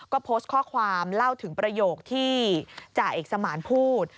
ก็โพสต์ข้อความเล่าถึงประโยคที่จ่าเอกสมานพูด